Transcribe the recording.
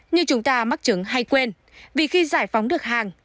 như chúng ta mắc chứng hay quên vì khi giải phóng được hàng